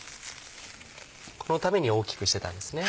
このために大きくしてたんですね。